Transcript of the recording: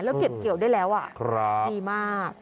แล้วเก็บเกี่ยวได้แล้วดีมาก